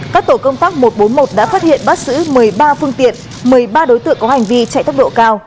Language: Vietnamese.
các tổ công tác một trăm bốn mươi một đã phát hiện bắt xử một mươi ba phương tiện một mươi ba đối tượng có hành vi chạy tốc độ cao